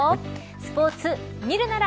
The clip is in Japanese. スポーツ見るなら。